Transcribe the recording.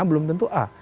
belum tentu a